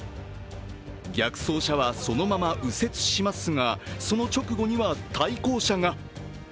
逆走車はそのまま右折しますが、その直後には対向車が。